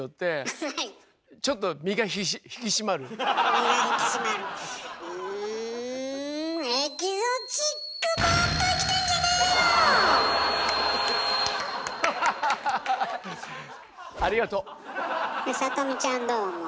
さとみちゃんどう思う？